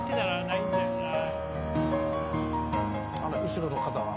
後ろの方は？